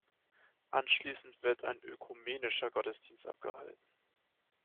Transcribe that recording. Anschließend wird ein ökumenischer Gottesdienst abgehalten.